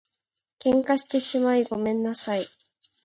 喧嘩してしまいごめんなさい